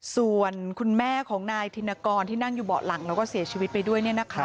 ส่วนคุณแม่ของนายธินกรที่นั่งอยู่เบาะหลังแล้วก็เสียชีวิตไปด้วย